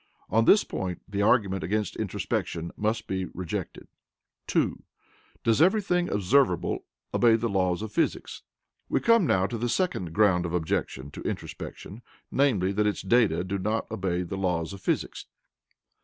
On this point, the argument against introspection must be rejected. (2) DOES EVERYTHING OBSERVABLE OBEY THE LAWS OF PHYSICS? We come now to the second ground of objection to introspection, namely, that its data do not obey the laws of physics.